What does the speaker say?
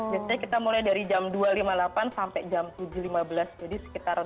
biasanya kita mulai dari jam dua lima puluh delapan sampai jam tujuh lima belas jadi sekitar enam belas tiga puluh jam